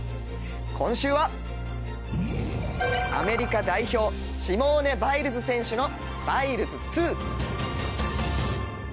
今週はアメリカ代表シモーネ・バイルズ選手のバイルズ２。